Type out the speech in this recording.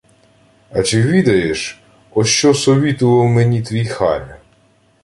— А чи відаєш, о що совітував мені твій Харя?!